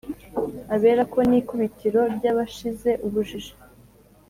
aberako n' ikubitiro ry' abashize ubujiji,